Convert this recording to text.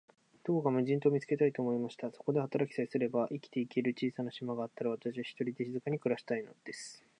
どこか無人島を見つけたい、と思いました。そこで働きさえすれば、生きてゆける小さな島があったら、私は、ひとりで静かに暮したいのです。